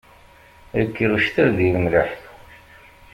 Ikker uctal di lemleḥ.